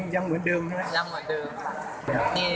อย่างเหมือนเดิมค่ะ